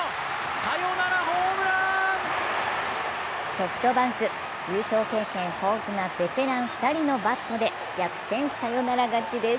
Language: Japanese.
ソフトバンク、優勝経験豊富なベテラン２人のバットで逆転サヨナラ勝ちです。